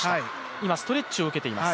今ストレッチを受けています。